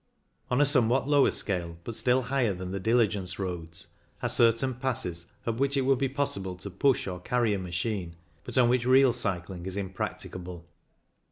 On a somewhat lower scale, but still higher than the dili gence roads, are certain passes up which it would be possible to push or carry a machine, but on which real cycling is im practicable.